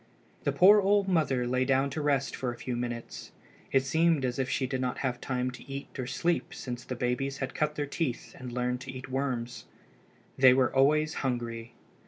The poor old mother lay down to rest for a few minutes. It seemed as if she did not have time to eat or sleep since the babies had cut their teeth and learned to eat worms. They were always hungry.